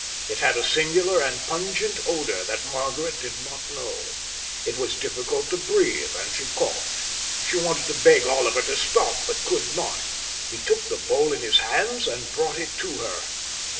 It had a singular and pungent odour that Margaret did not know. It was difficult to breathe, and she coughed. She wanted to beg Oliver to stop, but could not. He took the bowl in his hands and brought it to her.